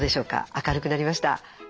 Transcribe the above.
明るくなりました。